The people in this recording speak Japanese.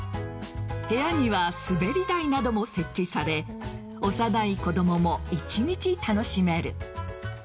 部屋には滑り台なども設置され幼い子供も一日楽しめる。